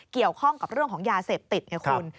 เกี่ยวข้องกับเรื่องของยาเสพติดไงคุณ